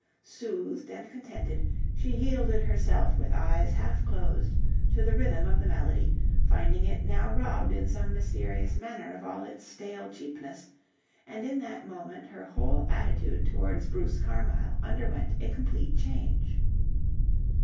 Soothed and contented, she yielded herself with eyes half closed to the rhythm of the melody, finding it now robbed in some mysterious manner of all its stale cheapness, and in that moment her whole attitude towards Bruce Carmyle underwent a complete change.